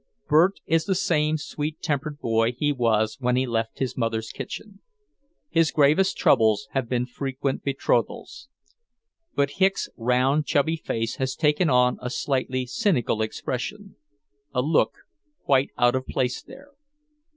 Bert is the same sweet tempered boy he was when he left his mother's kitchen; his gravest troubles have been frequent betrothals. But Hicks' round, chubby face has taken on a slightly cynical expression, a look quite out of place there.